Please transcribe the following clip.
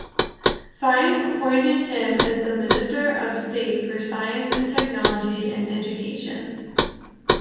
Singh appointed him as the minister of state for science and technology and education.